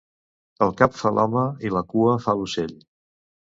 El cap fa l'home i la cua fa l'ocell.